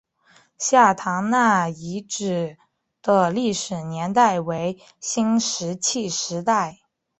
下堂那遗址的历史年代为新石器时代。